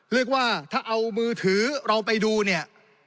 เรียกว่าถ้าเอามือถือเราไปดูเนี่ย